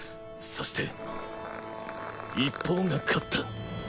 そして一方が勝った。